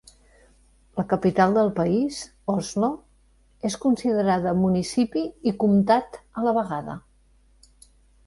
La capital del país, Oslo, és considerada municipi i comtat a la vegada.